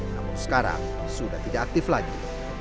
namun sekarang sudah tidak aktif lagi